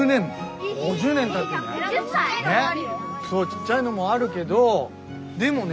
そうちっちゃいのもあるけどでもね